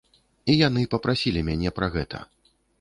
І яны папрасілі мяне пра гэта.